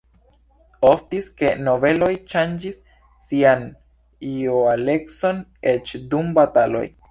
Oftis ke nobeloj ŝanĝis sian lojalecon, eĉ dum bataloj.